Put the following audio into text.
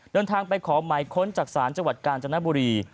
เดินทางไปขอหมายค้นจากศาลจังหวัดกาญจนบุรี